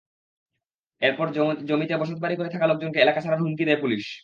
এরপর জমিতে বসতবাড়ি করে থাকা লোকজনকে এলাকা ছাড়ার হুমকি দেয় পুলিশ।